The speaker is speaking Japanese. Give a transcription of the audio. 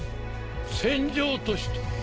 戦場として。